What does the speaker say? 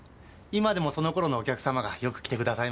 今でもその頃のお客様がよく来てくださいます。